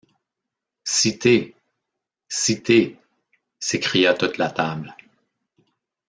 Citez... citez... s’écria toute la table.